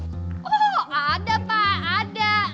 oh ada pak ada